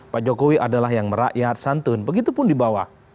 pak jokowi adalah yang merakyat santun begitu pun di bawah